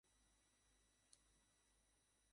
অনুপ্রেরণামূলক রোম্যান্স ইউরোপে চলে না।